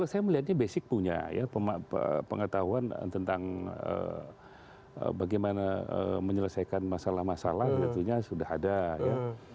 saya melihatnya basic punya ya pengetahuan tentang bagaimana menyelesaikan masalah masalah tentunya sudah ada ya